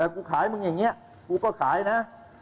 กูขายมึงอย่างนี้กูก็ขายนะ